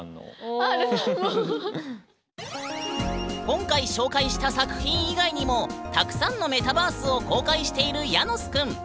今回紹介した作品以外にもたくさんのメタバースを公開しているヤノスくん。